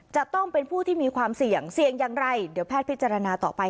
จะต้องเป็นผู้ที่มีความเสี่ยงเสี่ยงอย่างไรเดี๋ยวแพทย์พิจารณาต่อไป